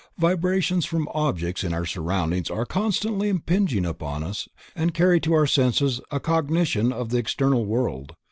Vibrations from objects in our surroundings are constantly impinging upon us and carry to our senses a cognition of the external world.